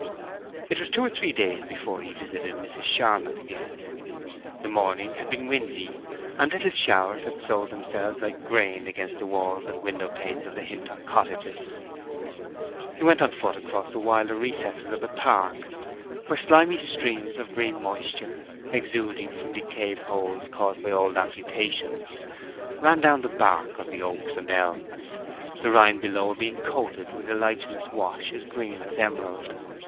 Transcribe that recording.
It was two or three days before he visited Mrs. Charmond again. The morning had been windy, and little showers had sowed themselves like grain against the walls and window panes of the Hintock cottages. He went on foot across the wilder recesses of the park, where slimy streams of green moisture, exuding from decayed holes caused by old amputations, ran down the bark of the oaks and elms, the rind below being coated with a lichenous wash as green as emerald.